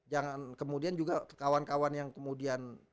jangan kemudian juga kawan kawan yang kemudian